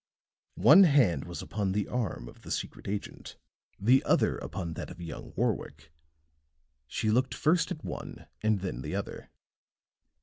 One hand was upon the arm of the secret agent, the other upon that of young Warwick; she looked first at one and then the other.